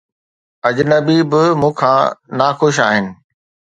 اجنبي به مون کان ناخوش آهن